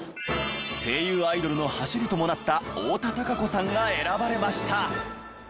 声優アイドルの走りともなった太田貴子さんが選ばれました。